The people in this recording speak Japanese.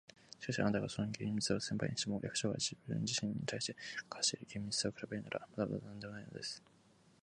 「しかし、あなたがその厳密さを千倍にしても、役所が自分自身に対して課している厳密さに比べるなら、まだまだなんでもないものです。